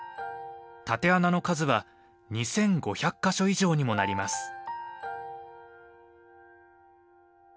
竪穴の数は２，５００か所以上にもなります。